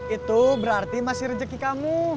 itu berarti masih rezeki kamu